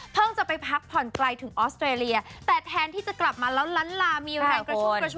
เพิ่งจะไปพักผ่อนไกลถึงออสเตรเลียแต่แทนที่จะกลับมาแล้วลั้นลามีอาหารกระชุบกระชวย